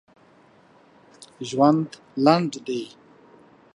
ژوند لنډ دی.